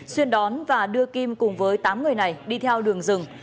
xuyên đón và đưa kim cùng với tám người này đi theo đường rừng